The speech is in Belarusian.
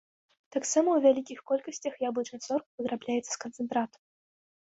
Таксама ў вялікіх колькасцях яблычны сок вырабляецца з канцэнтрату.